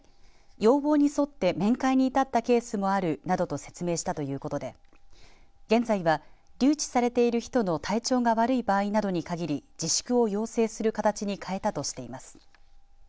要望に沿って面会に至ったケースもあるなどと説明したということで現在は留置されている人の体調が悪い場合などに限り自粛を要請する形に変えたとしています。